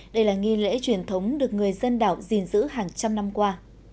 đây là nghi lễ truyền thống được người dân đảo gìn giữ hàng trăm năm qua